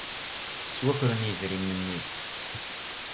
Ttwakren yidrimen-nni.